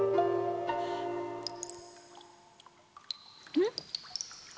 うん？